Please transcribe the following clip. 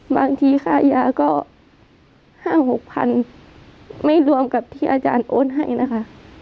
บางทีค่ายาก็๕๖๐๐๐ไม่รวมกับที่อาจารย์โอนให้นะคะ